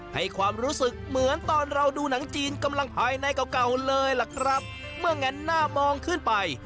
ให้ความรู้สึกเหมือนตอนเราดูหนังจีนกำลังภายในเก่าเก่าเลยล่ะครับเมื่อแงนหน้ามองขึ้นไป